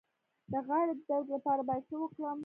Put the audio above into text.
د غاړې د درد لپاره باید څه وکړم؟